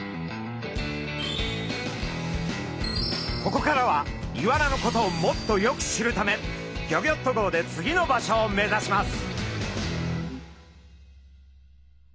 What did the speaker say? ここからはイワナのことをもっとよく知るためギョギョッと号で次の場所を目指します。